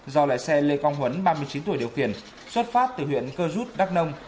do lái xe lê công huấn ba mươi chín tuổi điều kiện xuất phát từ huyện cơ rút đắc nông